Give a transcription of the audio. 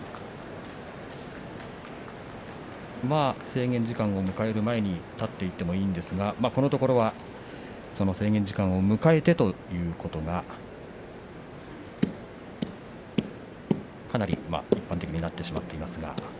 制限時間を迎える前に立っていってもいいんですがこのところは制限時間を迎えてということがかなり一般的になってしまっています。